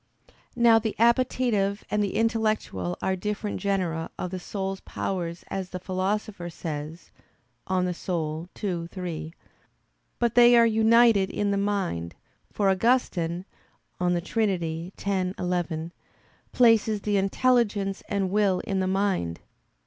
Now the appetitive and the intellectual are different genera of the soul's powers as the Philosopher says (De Anima ii, 3), but they are united in the mind, for Augustine (De Trin. x, 11) places the intelligence and will in the mind.